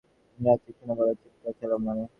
মিয়া তীক্ষ্ণ গলায় বললেন, টিক্কা খেলা মানে?